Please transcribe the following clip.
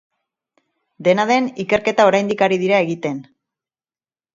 Dena den, ikerketa oraindik ari dira egiten.